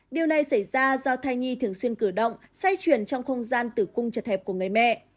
điều này xảy ra do thai nhi thường xuyên cử động xay chuyển trong không gian tử cung chật hẹp của người mẹ